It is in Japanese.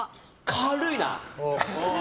軽いな。